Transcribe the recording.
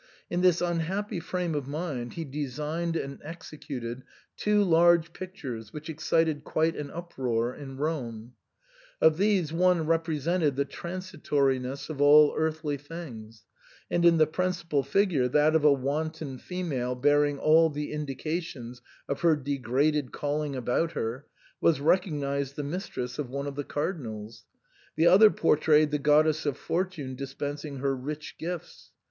In this unhappy frame of mind he designed and executed two large pictures which excited quite an uproar in Rome. Of these one represented the transitoriness of all earthly things, and in the principal figure, that of a wanton female bearing all the indica tions of her degrading calling about her, was recognised the mistress of one of the cardinals ; the other por trayed the Goddess of Fortune dispensing her rich gifts.